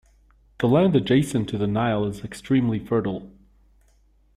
The land adjacent the Nile is extremely fertile